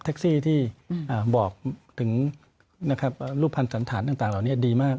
แท็กซี่ที่บอกถึงรูปภัณฑ์สันฐานต่างเหล่านี้ดีมาก